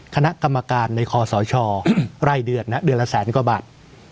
คณะกรรมการในคอสชไร่เดือนนะเดือนละแสนกว่าบาท